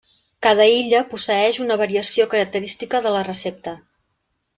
Cada illa posseeix una variació característica de la recepta.